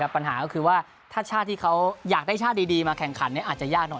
ปัญหาก็คือว่าถ้าชาติที่เขาอยากได้ชาติดีมาแข่งขันอาจจะยากหน่อย